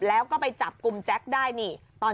แล้วก็ไปจับกุมจั๊คได้